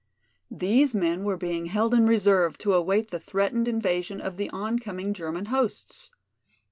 These men were being held in reserve to await the threatened invasion of the oncoming German hosts.